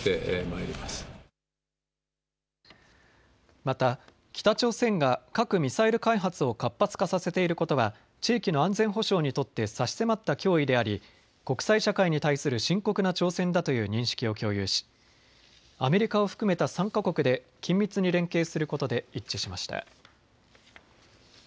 また北朝鮮が核・ミサイル開発を活発化させていることは地域の安全保障にとって差し迫った脅威であり国際社会に対する深刻な挑戦だという認識を共有しアメリカを含めた３か国で緊密に連携することで一致しました。